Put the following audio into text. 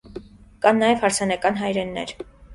Կան նաև հարսանեկան հայրեններ։